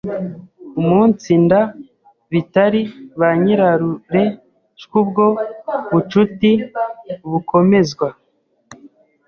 umunsinda bitari byanyirarureshwUbwo bucuti bukomezwa